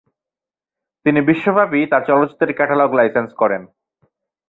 তিনি বিশ্বব্যাপী তার চলচ্চিত্রের ক্যাটালগ লাইসেন্স করেন।